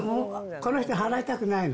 この人、払いたくないの。